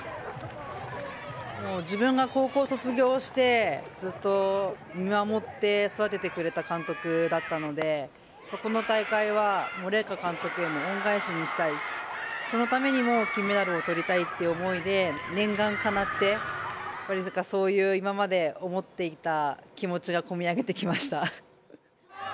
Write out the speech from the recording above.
もう自分が高校卒業して、ずっと見守って育ててくれた監督だったので、この大会は、麗華監督への恩返しにしたい、そのためにも、金メダルをとりたいという思いで、念願かなって、そういう今まで思っていた気持ちがこみ上げてきました。